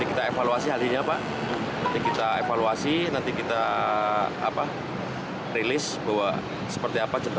itu nanti taggingnya seperti apa